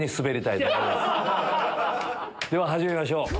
では始めましょう！